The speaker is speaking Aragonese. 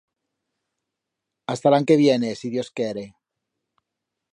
Hasta l'an que viene, si Dios quere.